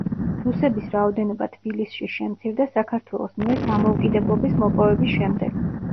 რუსების რაოდენობა თბილისში შემცირდა საქართველოს მიერ დამოუკიდებლობის მოპოვების შემდეგ.